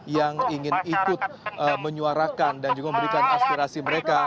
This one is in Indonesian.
yang ingin ikut menyuarakan dan juga memberikan aspirasi mereka